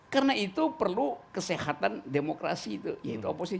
karena itu perlu kesehatan demokrasi itu yaitu oposisi